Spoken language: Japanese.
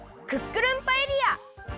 クックルンパエリア！